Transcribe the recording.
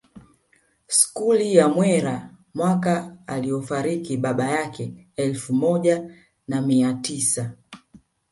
Skuli ya Mwera mwaka aliofariki baba yake elfu moja na mia tisa